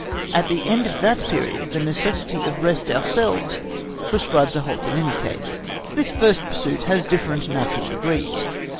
At the end of that period the necessity of rest ourselves prescribes a halt in any case. This first pursuit has different natural degrees.